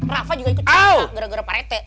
rafa juga ikut cewek gara gara parete